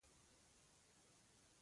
جګړو او وحشتونو دغه شکل نه وای اخیستی.